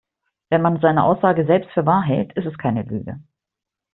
Wenn man seine Aussage selbst für wahr hält, ist es keine Lüge.